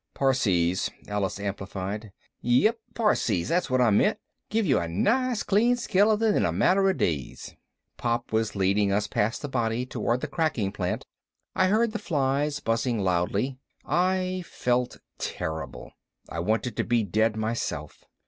"Parsees," Alice amplified. "Yep, Parsees, that's what I meant. Give you a nice clean skeleton in a matter of days." Pop was leading us past the body toward the cracking plant. I heard the flies buzzing loudly. I felt terrible. I wanted to be dead myself.